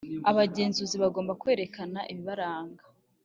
Abagenzuzi bagomba kwerekana ibibaranga